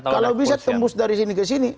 kalau bisa tembus dari sini ke sini